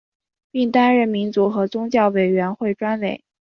并担任民族和宗教委员会专委。